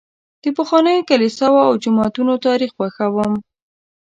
زه د پخوانیو کلیساوو او جوماتونو تاریخ خوښوم.